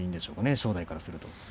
正代からすると。